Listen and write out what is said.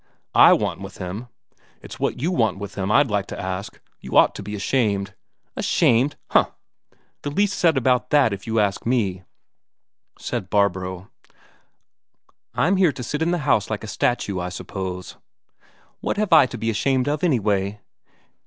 "I want with him? It's what you want with him, I'd like to ask. You ought to be ashamed." "Ashamed? Huh! The least said about that, if you ask me," said Barbro. "I'm here to sit in the house like a statue, I suppose? What have I got to be ashamed of, anyway?